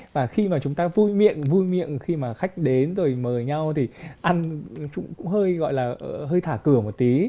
và khi mà chúng ta vui miệng vui miệng khi mà khách đến rồi mời nhau thì ăn cũng hơi gọi là hơi thả cửa một tí